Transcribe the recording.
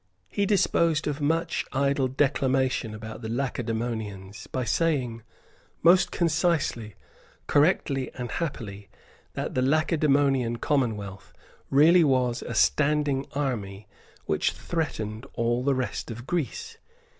He disposed of much idle declamation about the Lacedaemonians by saying, most concisely, correctly and happily, that the Lacedaemonian commonwealth really was a standing army which threatened all the rest of Greece.